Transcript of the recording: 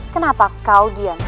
kenapa kau diam saja